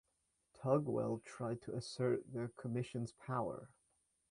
Tugwell tried to assert the commission's power.